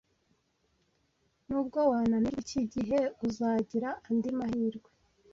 Nubwo wananirwa iki gihe, uzagira andi mahirwe.